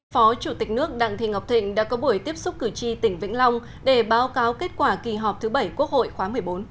phó chủ tịch nước đặng thị ngọc thịnh đã có buổi tiếp xúc cử tri tỉnh vĩnh long để báo cáo kết quả kỳ họp thứ bảy quốc hội khóa một mươi bốn